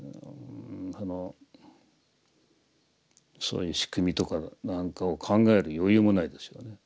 そういう仕組みとかなんかを考える余裕もないですよね。